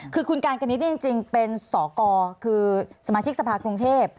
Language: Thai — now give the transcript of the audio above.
คือคุณการกณิตนี่จริงเป็นสกคือสมาชิกสภาคกรุงเทพ